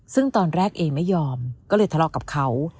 ซึ่งตอนแรกเองไม่ยอมก็เลยทะเลาะกับเขา